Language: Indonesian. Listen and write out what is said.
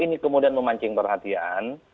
ini kemudian memancing perhatian